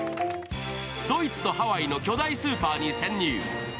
ドイツとハワイの巨大スーパーに潜入。